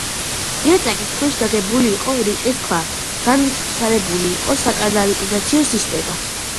იატაკის ქვეშ დაგებული იყო რიყის ქვა, განვითარებული იყო საკანალიზაციო სისტემა.